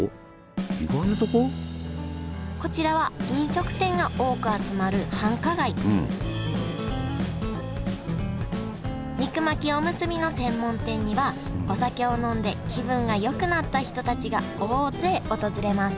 こちらは飲食店が多く集まる繁華街肉巻きおむすびの専門店にはお酒を飲んで気分がよくなった人たちが大勢訪れます